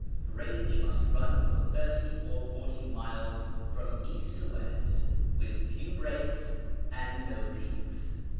The range must run for thirty or forty miles from east to west, with few breaks and no peaks.